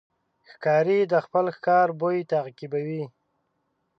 ښکاري د خپل ښکار بوی تعقیبوي.